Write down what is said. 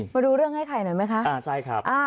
มาดูเรื่องไอ้ไข่หน่อยไหมคะ